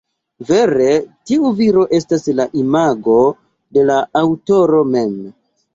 Vere tiu viro estas la imago de la aŭtoro mem.